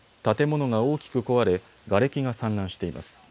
建物が大きく壊れがれきが散乱しています。